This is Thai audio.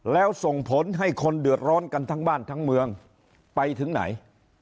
แล้วส่งผลให้คนเดือดร้อนกันทั้งบ้านทั้งเมืองไปถึงไหน